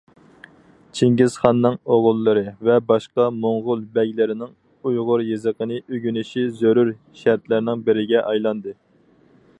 چىڭگىزخاننىڭ ئوغۇللىرى ۋە باشقا موڭغۇل بەگلىرىنىڭ ئۇيغۇر يېزىقىنى ئۆگىنىشى زۆرۈر شەرتلەرنىڭ بىرىگە ئايلاندى.